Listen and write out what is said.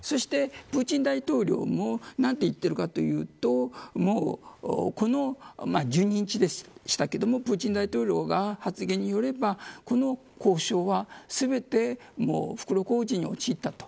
そして、プーチン大統領もなんて言ってるかというとこの、１２日でしたけれどもプーチン大統領の発言によればこの交渉は全て袋小路に陥ったと。